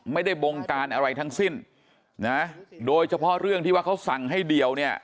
บงการอะไรทั้งสิ้นนะโดยเฉพาะเรื่องที่ว่าเขาสั่งให้เดี่ยวเนี่ย